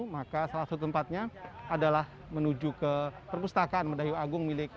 maka salah satu tempatnya adalah menuju ke perpustakaan medayu agung milik